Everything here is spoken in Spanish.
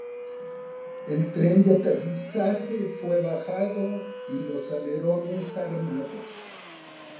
El tren de aterrizaje fue bajado y los alerones armados.